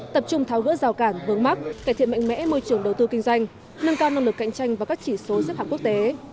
tập trung tháo gỡ rào cản vướng mắc cải thiện mạnh mẽ môi trường đầu tư kinh doanh nâng cao năng lực cạnh tranh và các chỉ số xếp hạng quốc tế